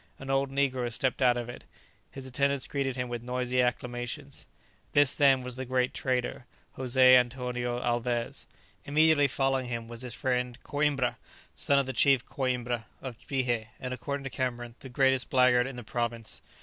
An old negro stepped out of it. His attendants greeted him with noisy acclamations. This, then, was the great trader, José Antonio Alvez. Immediately following him was his friend Coïmbra, son of the chief Coïmbra of Bihé, and, according to Cameron, the greatest blackguard in the province.